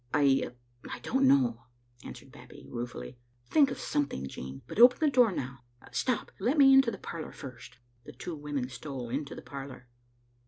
"I — I don't know," answered Babbie ruefully. " Think of something, Jean. But open the door now. Stop, let me into the parlor first." The two women stole into the parlor.